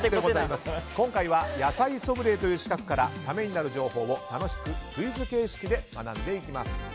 今回は野菜ソムリエという資格からためになる情報を楽しくクイズ形式で学んでいきます。